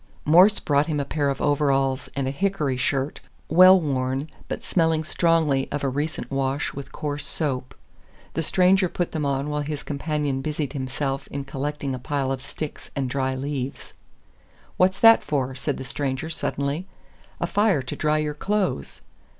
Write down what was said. Morse brought him a pair of overalls and a "hickory shirt," well worn, but smelling strongly of a recent wash with coarse soap. The stranger put them on while his companion busied himself in collecting a pile of sticks and dry leaves. "What's that for?" said the stranger, suddenly. "A fire to dry your clothes."